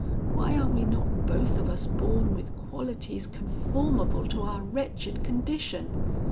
Why are we not both of us born with qualities conformable to our wretched condition?